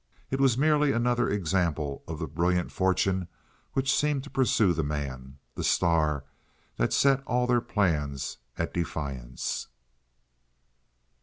It was merely another example of the brilliant fortune which seemed to pursue the man, the star that set all their plans at defiance.